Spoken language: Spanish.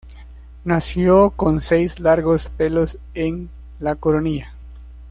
Nació con seis largos pelos en la coronilla.